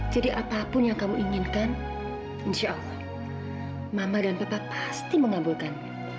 jadi apapun yang kamu inginkan insya allah mama dan papa pasti mengabulkan